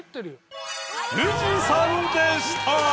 富士山でした。